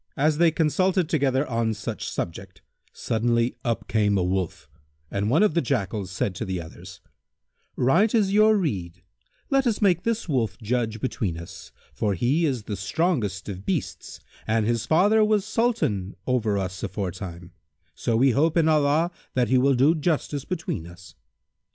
As they consulted together on such subject, suddenly up came a Wolf, and one of the Jackals said to the others, "Right is your rede; let us make this Wolf judge between us, for he is the strongest of beasts and his father was Sultan over us aforetime; so we hope in Allah that he will do justice between us."